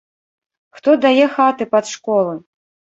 Хто дае хаты пад школы?